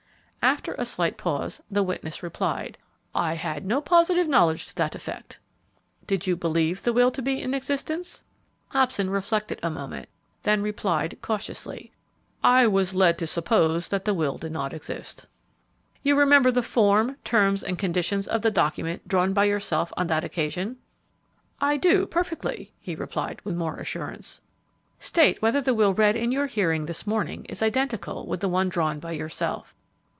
After a slight pause, the witness replied, "I had no positive knowledge to that effect." "Did you believe the will to be in existence?" Hobson reflected a moment, then replied, cautiously, "I was led to suppose that the will did not exist." "You remember the form, terms, and conditions of the document drawn by yourself on that occasion?" "I do, perfectly," he replied, with more assurance. "State whether the will read in your hearing this morning is identical with the one drawn by yourself."